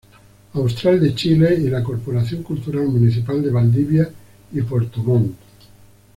Austral de Chile y la Corporación Cultural Municipal de Valdivia y Puerto Montt.